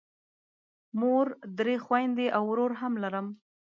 مور، درې خویندې او ورور هم لرم.